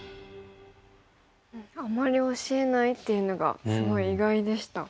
あんまり教えないっていうのがすごい意外でした。